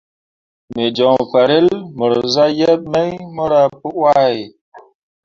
Me joŋ farel mor zah yeb mai mora pǝ wahe.